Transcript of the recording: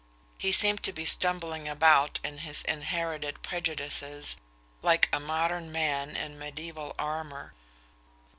He seemed to be stumbling about in his inherited prejudices like a modern man in mediaeval armour...